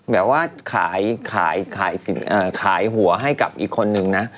แบบว่าขายหัวให้กับอีกคนนึงนะ